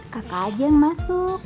kakak aja yang masuk